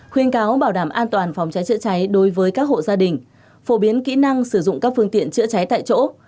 khuyên cáo bảo đảm an toàn phòng cháy chữa cháy đối với các hộ gia đình phổ biến kỹ năng sử dụng các phương tiện chữa cháy tại chỗ